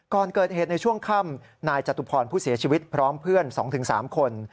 ก่อนเกิดเหตุในช่วงค่ำนายจตุพรผู้เสียชีวิตพร้อมเพื่อน๒๓คน